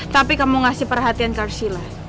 tapi kamu ngasih perhatian ke arshila